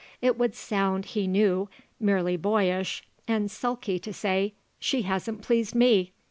It would sound, he knew, merely boyish and sulky to say: "She hasn't pleased me."